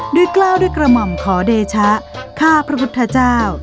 กล้าวด้วยกระหม่อมขอเดชะข้าพระพุทธเจ้า